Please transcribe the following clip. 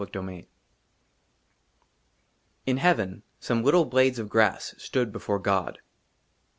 iS J XVIII IN HEAVEN, SOME LITTLE BLADES OF GRASS STOOD BEFORE GOD.